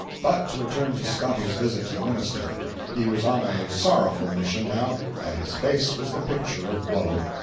But to return to Scotty's visit to the minister. He was on a sorrowful mission, now, and his face was the picture of woe.